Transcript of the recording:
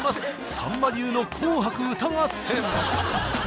さんま流の「紅白歌合戦」。